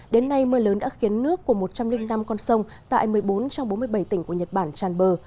đến nay mưa lớn đã khiến nước của một trăm linh năm con sông tại một mươi bốn trong bốn mươi bảy tỉnh của nhật bản tràn bờ